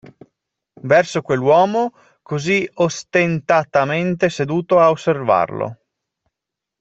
Verso quell'uomo così ostentatamente seduto a osservarlo.